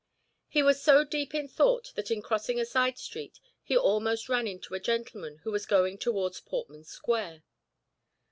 He was so deep in thought that in crossing a side street he almost ran into a gentleman who was going towards Portman Square.